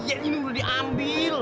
ya ini udah diambil